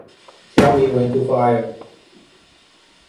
Tell me when to fire.